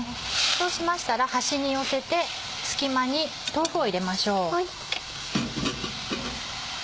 そうしましたら端に寄せて隙間に豆腐を入れましょう。